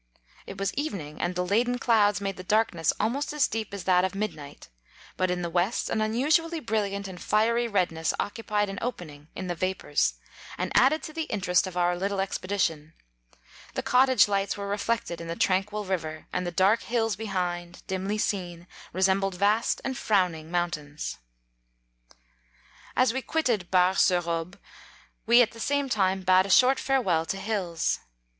It was even ing, and the laden clouds made the darkness almost as deep as that of mid night; but in the west an unusually brilliant and fiery redness occupied an opening in the vapours, and added to the interest of our little expedition: the cottage lights were reflected in the tranquil river, and the dark hills be hind, dimly seen, resembled vast and frowning mountains. 30 As we quitted Bar sur Aube, we at the same time bade a short farewel to hills.